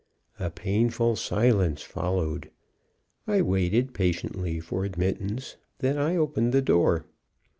A painful silence followed. I waited patiently for admittance; then I opened the door.